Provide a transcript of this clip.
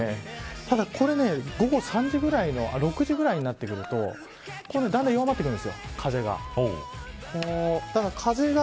ただこれ午後６時ぐらいになってくるとだんだん弱まってくるんです風が。